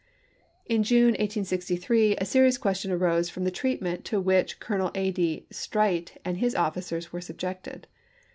In June, 1863, a serious question arose from the treatment to which Colonel A. D. Streight and his officers were subjected.